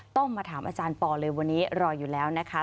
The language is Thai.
ต้องมาถามอาจารย์ปอเลยวันนี้รออยู่แล้วนะคะ